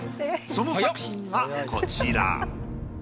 その作品がこちら。